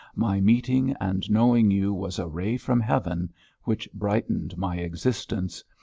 My meeting and knowing you was a ray from heaven, which brightened my existence.